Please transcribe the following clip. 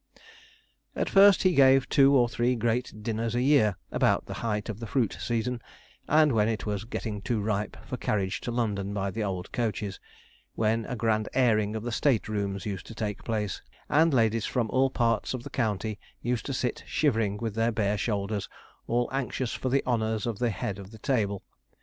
At first he gave two or three great dinners a year, about the height of the fruit season, and when it was getting too ripe for carriage to London by the old coaches when a grand airing of the state rooms used to take place, and ladies from all parts of the county used to sit shivering with their bare shoulders, all anxious for the honours of the head of the table.